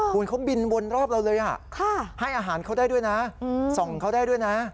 คุณเขาบินวนรอบเราเลยให้อาหารเขาได้ด้วยนะส่องเขาได้ด้วยนะ